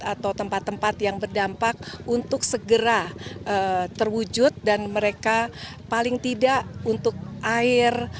atau tempat tempat yang berdampak untuk segera terwujud dan mereka paling tidak untuk air